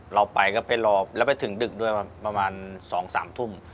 เราไปก็ไปรอแล้วไปถึงดึกด้วยประมาณ๒๓ทุ่ม